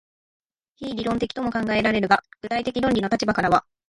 非論理的とも考えられるが、具体的論理の立場からは、